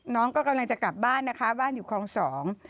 น้องก็กำลังจะกลับบ้านนะคะบ้านอยู่คลองสอง